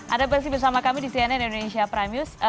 ada masih bersama kami di cnn indonesia prime news